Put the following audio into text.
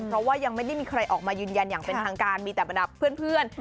เพราะว่ายังไม่ได้มีใครออกมายืนยันอย่างเป็นทางการมีแต่บรรดาเพื่อน